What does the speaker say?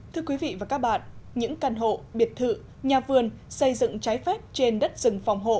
thưa quý vị và các bạn những căn hộ biệt thự nhà vườn xây dựng trái phép trên đất rừng phòng hộ